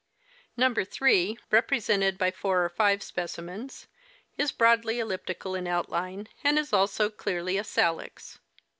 " Number 3, represented by four or five sjiecimens, is broadly elliptical in outline, and is also clearly a Salix.